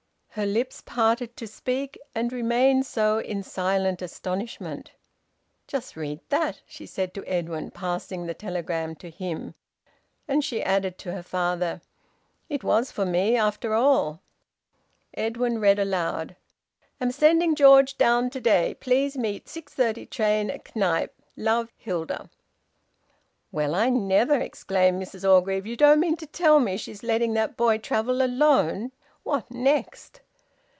Her lips parted to speak, and remained so in silent astonishment. "Just read that!" she said to Edwin, passing the telegram to him; and she added to her father: "It was for me, after all." Edwin read, aloud: "Am sending George down to day. Please meet 6:30 train at Knype. Love. Hilda." "Well, I never!" exclaimed Mrs Orgreave. "You don't mean to tell me she's letting that boy travel alone! What next?"